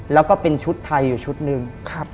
แล้วก็เป็นชุดไทยอยู่ชุดหนึ่ง